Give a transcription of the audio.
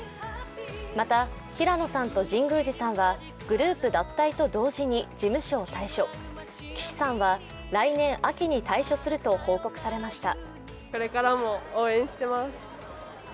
また、平野さんと神宮寺さんはグループ脱退と同時に事務所を退所、岸さんは来年秋に退所すると報告されました。